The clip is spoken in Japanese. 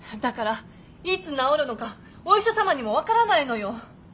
だからいつ治るのかお医者様にも分からないのよ。